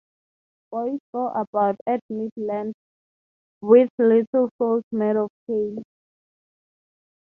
Boys go about at Mid-Lent with little saws made of cane.